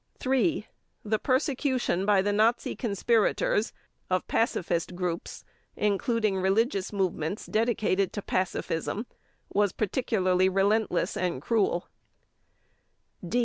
(3) The persecution by the Nazi conspirators of pacifist groups, including religious movements dedicated to pacifism, was particularly relentless and cruel.